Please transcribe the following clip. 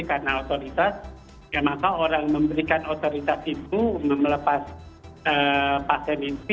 karena otoritas ya maka orang memberikan otoritas itu melepas pasien insi